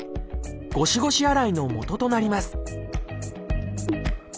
ごしごし洗いのもととなります